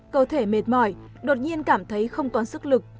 cơ thể mệt mỏi đột nhiên cảm thấy không có sức lực